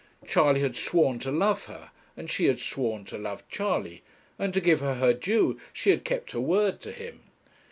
Charley had sworn to love her, and she had sworn to love Charley; and to give her her due, she had kept her word to him.